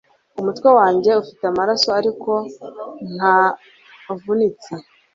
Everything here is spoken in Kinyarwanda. Umutwe wanjye ufite amaraso ariko ntavunitse